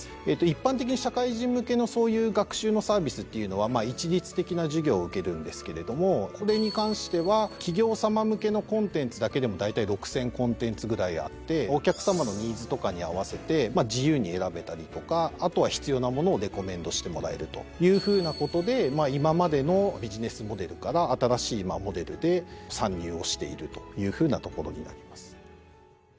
一般的に社会人向けのそういう学習のサービスっていうのは一律的な授業を受けるんですけれどもこれに関しては企業さま向けのコンテンツだけでもだいたい６，０００コンテンツぐらいあってお客さまのニーズとかに合わせて自由に選べたりとかあとは必要なものをレコメンドしてもらえるというふうなことで今までのビジネスモデルから新しいモデルで参入をしているというふうなところになります。